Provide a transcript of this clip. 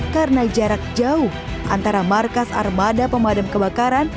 karena jarak jauh antara markas armada pemadam kebakaran